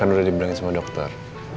kan udah dibilangin sama dokter